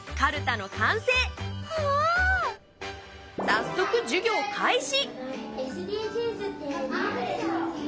さっそく授業開始！